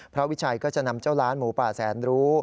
วิชัยก็จะนำเจ้าล้านหมูป่าแสนรู้